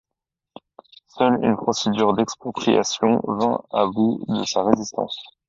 Seule une procédure d'expropriation vint à bout de sa résistance.